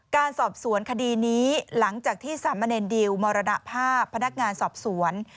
การสอบสวนคดีนี้หลังจากที่สามเณรดิวมรณภาพพนักงานสอบสวน